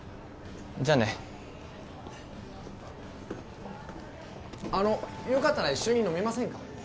じゃあねあのよかったら一緒に飲みませんか？